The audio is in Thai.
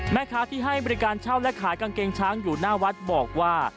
แม่ค้าที่ให้บริการเช่าและขายกางเกงช้างอยู่หน้าวัดบอกว่า